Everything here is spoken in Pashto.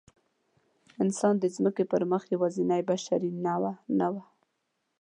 انسان د ځمکې پر مخ یواځینۍ بشري نوعه نه وه.